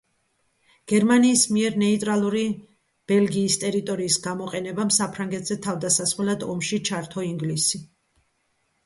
გერმანიის მიერ ნეიტრალური ბელგიის ტერიტორიის გამოყენებამ საფრანგეთზე თავდასასხმელად ომში ჩართო ინგლისი.